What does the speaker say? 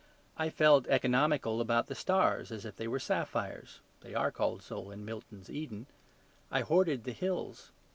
I felt economical about the stars as if they were sapphires (they are called so in Milton's Eden): I hoarded the hills.